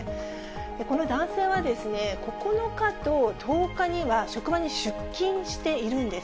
この男性は、９日と１０日には職場に出勤しているんです。